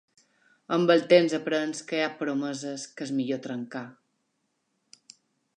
Amb el temps aprens que hi ha promeses que és millor trencar.